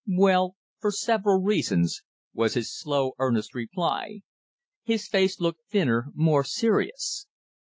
"Well, for several reasons," was his slow, earnest reply. His face looked thinner, more serious.